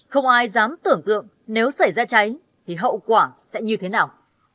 không ai dám tưởng tượng nếu xảy ra cháy thì hậu quả sẽ như thế nào